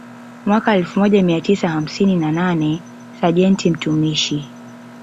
Mwaka elfu moja mia tisa hamsini na nane Sajenti mtumishi